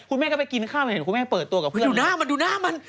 คุณแม่ค่อยไปกินข้าวเห็นคุณแม่เปิดตัวกับเพื่อน